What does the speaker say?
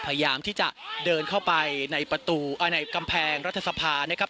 พยายามที่จะเดินเข้าไปในประตูในกำแพงรัฐสภานะครับ